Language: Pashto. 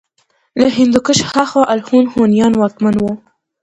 له هندوکش هاخوا الخون هونيان واکمن وو